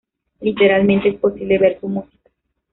Literalmente es posible ver su música.